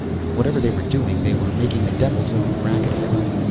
Whatever they were doing, they were making the devil's own racket about it.